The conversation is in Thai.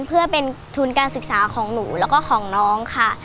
เพื่อเป็นทุนการศึกษาของหนูแล้วก็ของน้องค่ะ